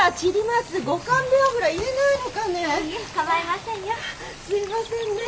すいませんねえ。